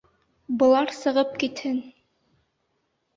Былар сығып китһен!